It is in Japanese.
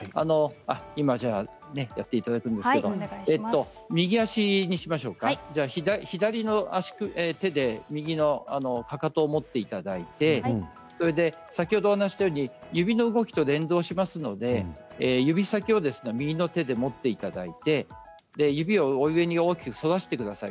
今やっていただくんですけれども右足にしましょうか左の手で右のかかとを持っていただいて先ほどお話ししたように指の動きと連動しますので指先を右の手で持っていただいて指を上に大きく反らせてください。